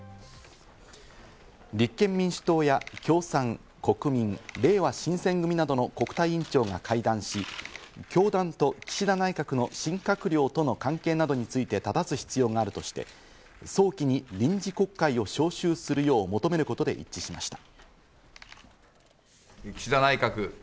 立憲民主党や共産、国民、れいわ新選組などの国対委員長が会談し、教団と岸田内閣の新閣僚との関係などについて正す必要があるとして、早期に臨時国会を召集するよう求めることで一致しました。